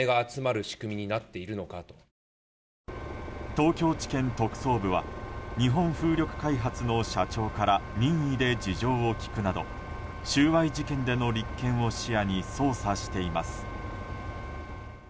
東京地検特捜部は日本風力開発の社長から任意で事情を聴くなど収賄事件での立件を視野に捜査しています。